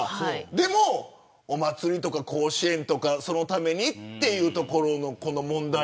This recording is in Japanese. でも、お祭りとか甲子園とかそのためにというところの問題。